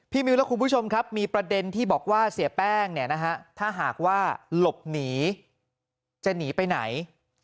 มิวและคุณผู้ชมครับมีประเด็นที่บอกว่าเสียแป้งเนี่ยนะฮะถ้าหากว่าหลบหนีจะหนีไปไหน